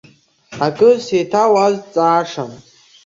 Акы сеиҭауазҵаашан.